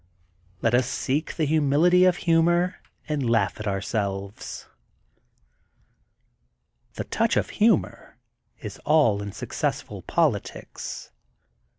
*' *'Let us Seek the Humility of Humor and Laugh at Ourselves.'' ''The Touch of Humor is in all Successful PoUtics.''